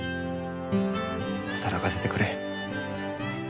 働かせてくれ。